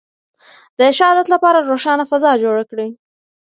د ښه عادت لپاره روښانه فضا جوړه کړئ.